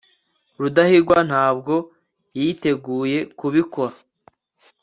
rudahigwa ntabwo yiteguye kubikora